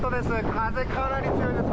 風、かなり強いです。